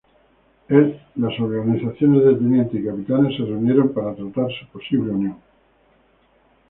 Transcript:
El las organizaciones de tenientes y capitanes se reunieron para tratar su posible unión.